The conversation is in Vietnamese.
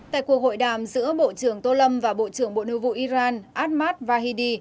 tại cuộc hội đàm giữa bộ trưởng tô lâm và bộ trưởng bộ nội vụ iran ahmad vahidi